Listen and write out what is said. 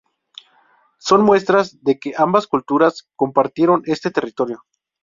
Son muestras de que ambas culturas compartieron este territorio.